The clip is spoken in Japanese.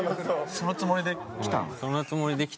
そのつもりで来たよ。